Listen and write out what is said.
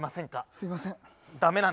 すいません。